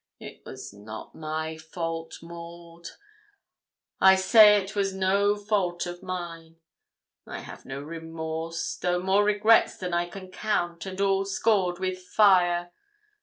It was not my fault, Maud I say it was no fault of mine; I have no remorse, though more regrets than I can count, and all scored with fire.